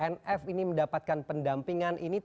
nf ini mendapatkan pendampingan